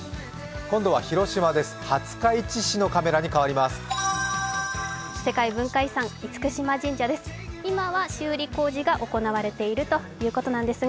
今度は広島です。